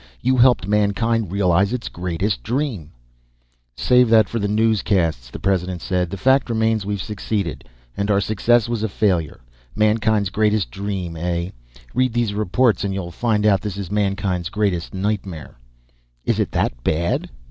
You helped mankind realize its greatest dream " "Save that for the newscasts," the President said. "The fact remains, we've succeeded. And our success was a failure. Mankind's greatest dream, eh? Read these reports and you'll find out this is mankind's greatest nightmare." "Is it that bad?"